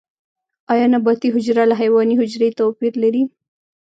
ایا نباتي حجره له حیواني حجرې توپیر لري؟